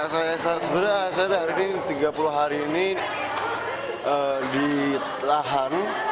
saya sudah sadar ini tiga puluh hari ini di lahan